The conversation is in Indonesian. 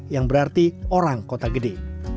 yang berarti orang kota gede